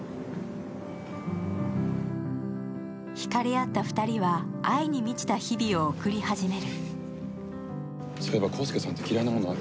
引かれ合った２人は愛に満ちた日々を始める。